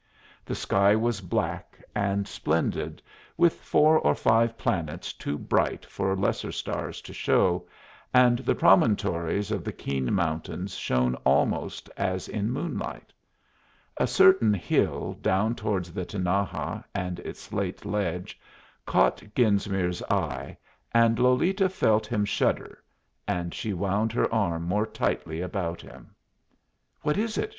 The sky was black and splendid, with four or five planets too bright for lesser stars to show, and the promontories of the keen mountains shone almost as in moonlight. A certain hill down towards the Tinaja and its slate ledge caught Genesmere's eye, and Lolita felt him shudder, and she wound her arm more tightly about him. "What is it?"